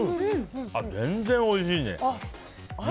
全然おいしいです。